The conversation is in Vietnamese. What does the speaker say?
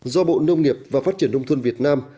do bộ nông nghiệp và phát triển nông thôn việt nam